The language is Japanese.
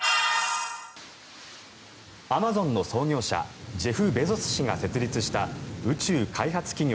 アマゾンの創業者ジェフ・ベゾス氏が創設した宇宙開発企業